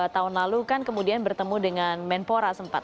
tahun lalu kan kemudian bertemu dengan menpora sempat